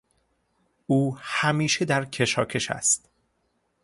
او همیشه در کشاکش است.